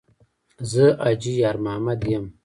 ـ زه حاجي یارمحمد یم.